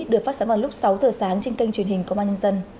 được phát sóng vào lúc sáu giờ sáng trên kênh truyền hình công an nhân dân